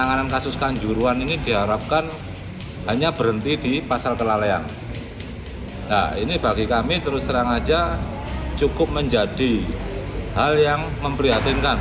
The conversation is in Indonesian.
nah ini bagi kami terus terang saja cukup menjadi hal yang memprihatinkan